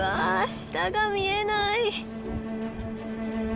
下が見えない！